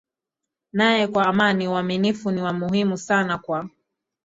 naye kwa amani Uaminifu ni wa muhimu sana kwa